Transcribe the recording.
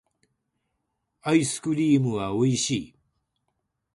アイスクリームはおいしい